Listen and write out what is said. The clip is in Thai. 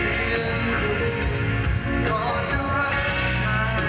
อีกเพลงหนึ่งครับนี้ให้สนสารเฉพาะเลย